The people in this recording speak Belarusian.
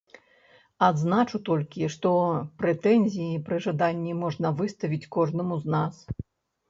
Адзначу толькі, што прэтэнзіі пры жаданні можна выставіць кожнаму з нас.